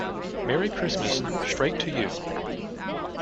Merry Christmas Strait to You!